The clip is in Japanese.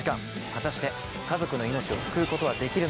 果たして家族の命を救うことはできるのか？